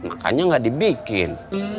makanya gak dibikin